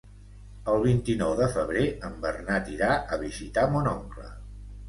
El vint-i-nou de febrer en Bernat irà a visitar mon oncle.